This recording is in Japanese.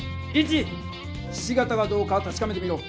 ひし形かどうかたしかめてみろ！